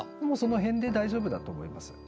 もうその辺で大丈夫だと思います。